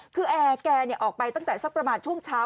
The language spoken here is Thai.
คือแอร์แกออกไปตั้งแต่สักประมาณช่วงเช้า